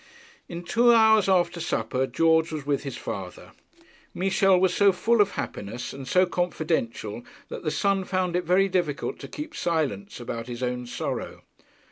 In two hours after supper George was with his father. Michel was so full of happiness and so confidential that the son found it very difficult to keep silence about his own sorrow.